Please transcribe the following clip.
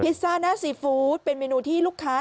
ซ่าหน้าซีฟู้ดเป็นเมนูที่ลูกค้า